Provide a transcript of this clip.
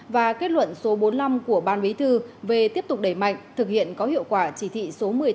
và kết luận số bốn mươi năm của ban bí thư về tiếp tục đẩy mạnh thực hiện có hiệu quả chỉ thị số một mươi năm